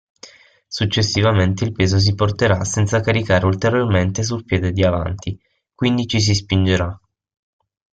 Successivamente il peso si porterà senza caricare ulteriormente sul piede di avanti, quindi ci si spingerà.